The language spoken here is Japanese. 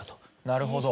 なるほど。